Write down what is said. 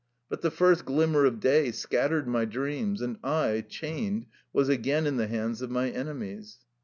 But the first glimmer of day scattered my dreams, and I, chained, was again in the hands of my enemies.